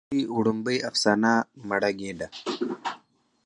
د دوي وړومبۍ افسانه " مړه ګيډه